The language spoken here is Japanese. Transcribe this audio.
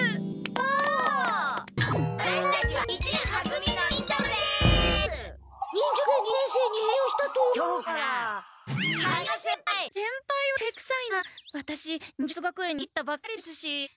ワタシ忍術学園に入ったばっかりですし。